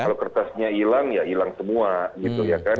kalau kertasnya hilang ya hilang semua gitu ya kan